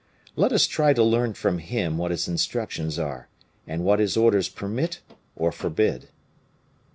Let us try to learn from him what his instructions are, and what his orders permit or forbid."